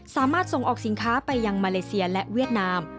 สามารถส่งออกสินค้าไปยังมาเลเซียและเวียดนาม